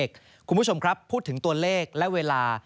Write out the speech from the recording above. คุณผู้ชมครับพูดถึงตัวเลขและเวลา